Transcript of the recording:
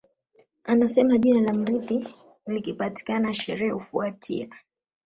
Anasema jina la mrithi likipatikana sherehe hufuatia